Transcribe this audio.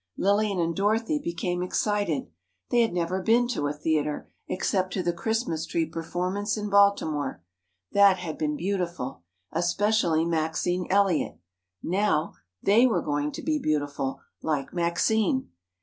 Lillian and Dorothy became excited. They had never been to a theatre, except to the Christmas tree performance in Baltimore. That had been beautiful. Especially Maxine Elliot. Now, they were going to be beautiful, like Maxine.